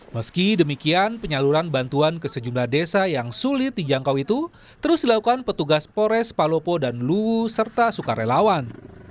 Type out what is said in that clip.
meski demikian penyaluran bantuan ke sejumlah desa yang sulit dijangkau itu terus dilakukan petugas pores palopo dan luwu serta sukarelawan